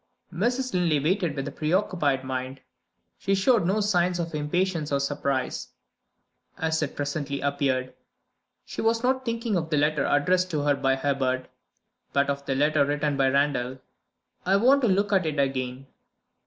Mrs. Linley waited, with a preoccupied mind: she showed no signs of impatience or surprise. As it presently appeared, she was not thinking of the letter addressed to her by Herbert, but of the letter written by Randal. "I want to look at it again."